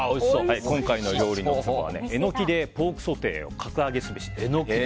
今回の料理のツボは、エノキでポークソテーを格上げすべし。